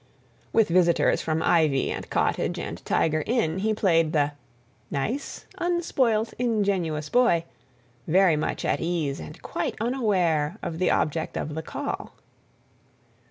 With visitors from Ivy and Cottage and Tiger Inn he played the "nice, unspoilt, ingenuous boy" very much at ease and quite unaware of the object of the call.